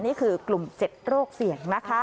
นี่คือกลุ่ม๗โรคเสี่ยงนะคะ